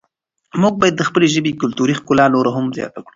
موږ باید د خپلې ژبې کلتوري ښکلا نوره هم زیاته کړو.